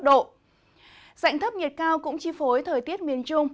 dạng thấp nhiệt cao cũng chi phối thời tiết miền trung